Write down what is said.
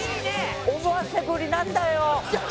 思わせぶりなんだよ！